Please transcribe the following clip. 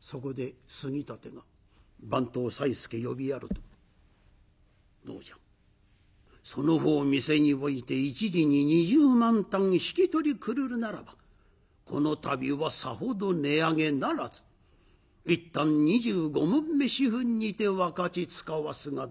そこで杉立が番頭さいすけ呼びやると「どうじゃその方店に置いて一時に２０万反引き取りくるるならばこの度はさほど値上げならず１反２５匁４分にて分かちつかわすがどうじゃ？」。